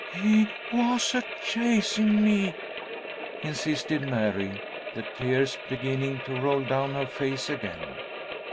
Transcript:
"He was a chasing me!" insisted Mary, the tears beginning to roll down her face again.